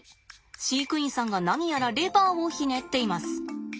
飼育員さんが何やらレバーをひねっています。